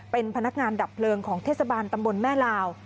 เป็นพนักงานดับเพลิงของเทศบาลตำบลแม่ลาว